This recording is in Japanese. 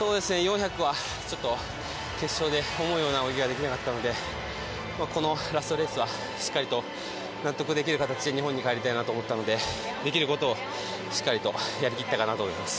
４００は決勝で思うような泳ぎができなかったのでこのラストレースはしっかりと納得できる形で日本に帰りたいなと思ったのでできることをしっかりやり切ったかなと思います。